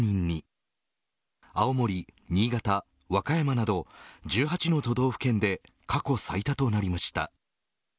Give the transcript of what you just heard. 青森、新潟、和歌山など１８の都道府県で過去最多となりました。